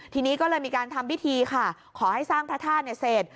ทีนี้ก็เลยมีการทำพิธีค่ะขอให้สร้างพระธาตุเนี่ยเสร็จ